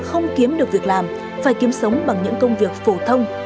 không kiếm được việc làm phải kiếm sống bằng những công việc phổ thông